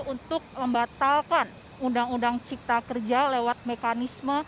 untuk membatalkan undang undang cipta kerja lewat mekanisme